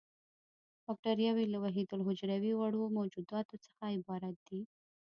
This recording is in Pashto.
باکټریاوې له وحیدالحجروي وړو موجوداتو څخه عبارت دي.